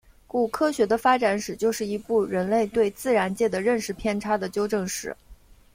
故科学的发展史就是一部人类对自然界的认识偏差的纠正史。